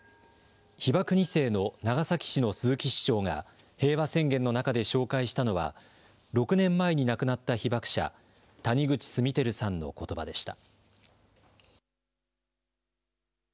被爆２世の長崎市の鈴木市長が平和宣言の中で紹介したのは６年前に亡くなった被爆者谷口稜曄さんの言葉でした。